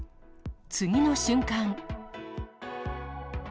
次の瞬間。